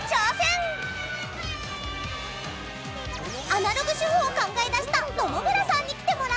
アナログ手法を考え出した野々村さんに来てもらったよ。